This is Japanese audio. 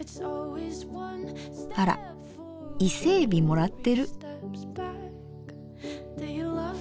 あら伊勢えびもらってる。